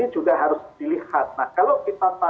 ini juga harus dilihat gambar besarnya kenapa kok dpr seperti itu ya